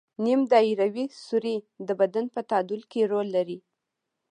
نیم دایروي سوري د بدن په تعادل کې رول لري.